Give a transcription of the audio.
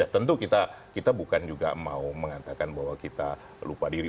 tentu kita bukan juga mau mengatakan bahwa kita lupa diri